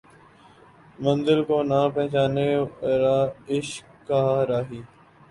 منزل کو نہ پہچانے رہ عشق کا راہی